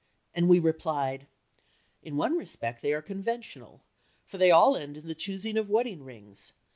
and we replied, "In one respect they are conventional, for they all end in the choosing of wedding rings.